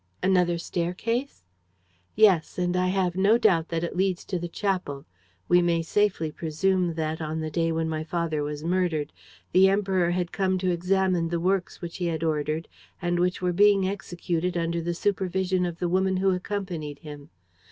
"Another staircase?" "Yes; and I have no doubt that it leads to the chapel. We may safely presume that, on the day when my father was murdered, the Emperor had come to examine the works which he had ordered and which were being executed under the supervision of the woman who accompanied him.